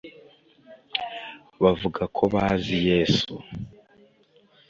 Bavuga ko bazi Yesu